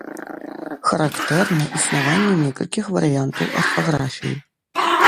Характэрна існаванне некалькіх варыянтаў арфаграфіі.